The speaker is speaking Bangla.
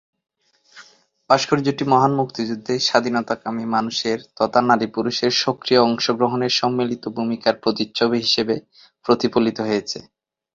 ভাস্কর্যটি মহান মুক্তিযুদ্ধে স্বাধীনতাকামী মানুষের তথা নারী-পুরুষের সক্রিয় অংশগ্রহণের সম্মিলিত ভূমিকার প্রতিচ্ছবি হিসেবে প্রতিফলিত হয়েছে।